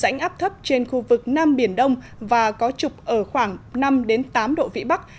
rãnh áp thấp trên khu vực nam biển đông và có trục ở khoảng năm tám độ vĩ bắc